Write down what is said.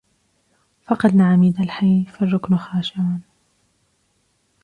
فقدنا عميد الحي فالركن خاشع